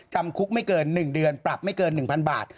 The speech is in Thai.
จำคุกไม่เกิน๑เดือนปรับไม่เกิน๑๐๐บาท